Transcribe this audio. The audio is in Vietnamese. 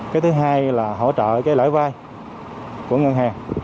cái thứ hai là hỗ trợ cái lãi vai của ngân hàng